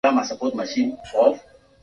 Inua mioyo iliyoshushwa bwana